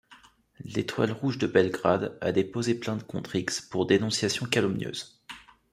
L’Etoile rouge de Belgrade a déposé plainte contre X pour dénonciation calomnieuse.